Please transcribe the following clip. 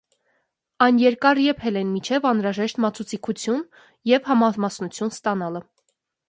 Այն երկար եփել են մինչև անհրաժեշտ մածուցիկություն և համամասնությունն ստանալը։